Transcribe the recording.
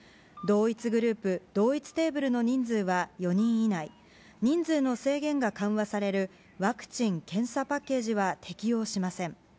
同一グループ同一テーブルの人数は４人以内人数の制限が緩和されるワクチン・検査パッケージは適用しません。